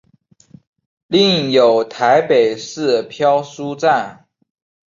另有台北市漂书站。